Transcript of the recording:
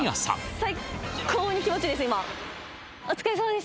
最っ高に気持ちいいです